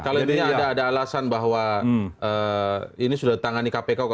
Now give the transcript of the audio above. jadi intinya kalau ada alasan bahwa ini sudah ditangani kpk